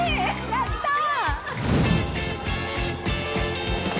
やったー